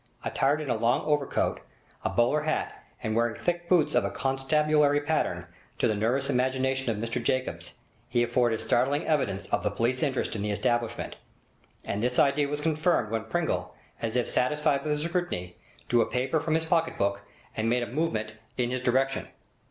Attired in a long overcoat, a bowler hat, and wearing thick boots of a constabulary pattern to the nervous imagination of Mr Jacobs, he afforded startling evidence of the police interest in the establishment; and this idea was confirmed when Pringle, as if satisfied with his scrutiny, drew a paper from the pocket book and made a movement in his direction.